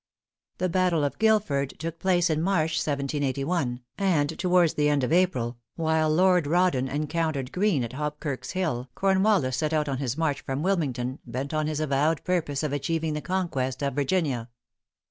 The battle of Guilford took place in March, 1781; and towards the end of April, while Lord Rawdon encountered Greene at Hobkirk's Hill, Cornwallis set out on his march from Wilmington, bent on his avowed purpose of achieving the conquest of Virginia.